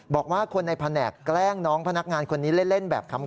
บอกว่าคนในแผนกแกล้งน้องพนักงานคนนี้เล่นแบบขำ